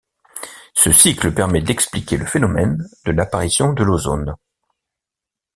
Ce cycle permet d'expliquer le phénomène de l'apparition de l'ozone.